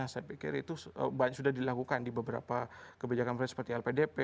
saya pikir itu sudah dilakukan di beberapa kebijakan seperti lpdp